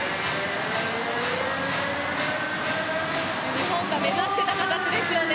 日本が目指していた形ですよね。